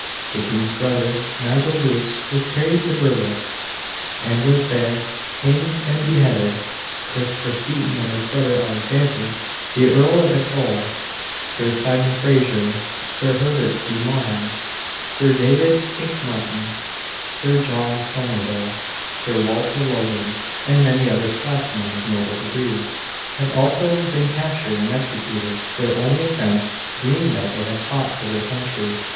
The king's brother, Nigel Bruce, was carried to Berwick, and was there hanged and beheaded. Christopher Seaton and his brother Alexander, the Earl of Athole, Sir Simon Fraser, Sir Herbert de Moreham, Sir David Inchmartin, Sir John Somerville, Sir Walter Logan, and many other Scotchmen of noble degree, had also been captured and executed, their only offence being that they had fought for their country.